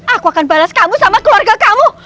aku akan balas kamu sama keluarga kamu